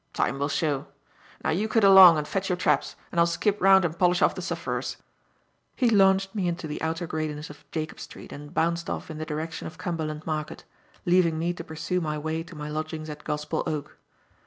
Time will show. Now you cut along and fetch your traps, and I'll skip round and polish off the sufferers." He launched me into the outer greyness of Jacob Street and bounced off in the direction of Cumberland Market, leaving me to pursue my way to my lodgings at Gospel Oak.